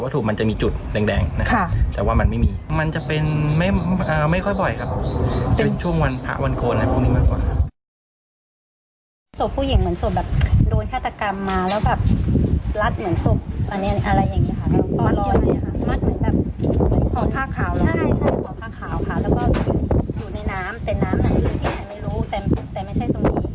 อยู่ในน้ำที่ไหนไม่รู้ที่ไม่ใช่ตรงนี้